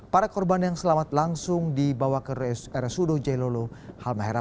para korban yang selamat langsung dibawa ke rsudo jailolo halmahera